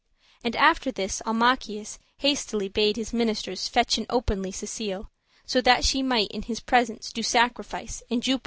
And after this Almachius hastily Bade his ministers fetchen openly Cecile, so that she might in his presence Do sacrifice, and Jupiter incense.